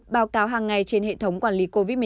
báo cáo hàng ngày trên hệ thống quản lý covid một mươi chín